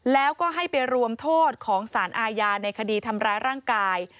แล้วก็ให้ไปรวมโทษของสารอาญาในคดีทำร้ายร่างกาย